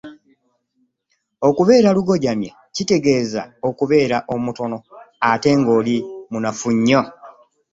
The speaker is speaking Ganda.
Okubeera lugoojamye kitegeeza okubeera omutono ate ng’oli munafu nnyo.